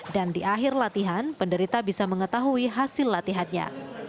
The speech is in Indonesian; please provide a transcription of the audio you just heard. dan di akhir latihan penderita bisa mengetahui hasil latihannya